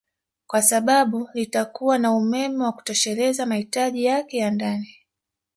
kwa sababu litakuwa na umeme wa kutosheleza mahitaji yake ya ndani